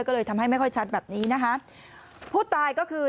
ก็เลยทำให้ไม่ค่อยชัดแบบนี้นะคะผู้ตายก็คือ